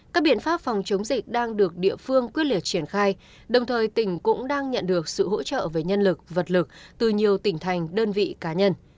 các biện pháp phòng chống dịch đang được địa phương quyết liệt triển khai đồng thời tỉnh cũng đang nhận được sự hỗ trợ về nhân lực vật lực từ nhiều tỉnh thành đơn vị cá nhân